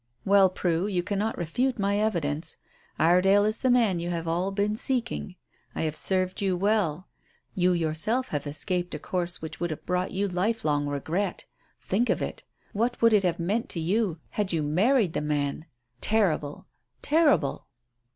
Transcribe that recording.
"Well, Prue, you cannot refute my evidence. Iredale is the man you have all been seeking. I have served you well. You yourself have escaped a course which would have brought you lifelong regret. Think of it! What would it have meant to you had you married the man? Terrible! Terrible!"